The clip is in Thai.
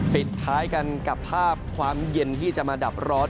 ปิดท้ายกันกับภาพความเย็นที่จะมาดับร้อน